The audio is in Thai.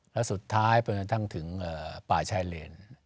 และสุดท้ายเป็นทั้งถึงปลาชายเลน